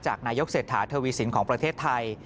นายกเศรษฐาทวีสินของประเทศไทย